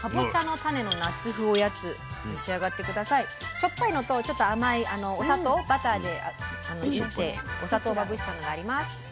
しょっぱいのとちょっと甘いお砂糖バターでいってお砂糖をまぶしたのがあります。